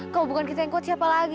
kalau bukan kita yang kuat siapa lagi